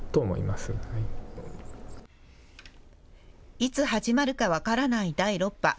いつ始まるか分からない第６波。